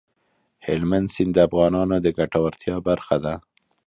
هلمند سیند د افغانانو د ګټورتیا برخه ده.